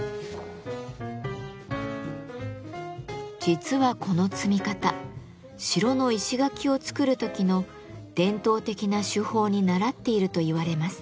実はこの積み方城の石垣を造る時の伝統的な手法にならっていると言われます。